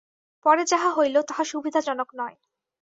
পরে যাহা হইল, তাহা সুবিধাজনক নয়।